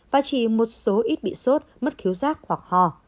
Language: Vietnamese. và chỉ một số ít bị sốt mất khiếu giác hoặc ho